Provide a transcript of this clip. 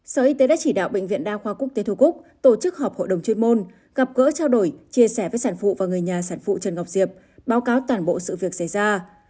sở y tế đã chỉ đạo bệnh viện đa khoa quốc tế thu cúc tổ chức họp hội đồng chuyên môn gặp gỡ trao đổi chia sẻ với sản phụ và người nhà sản phụ trần ngọc diệp báo cáo toàn bộ sự việc xảy ra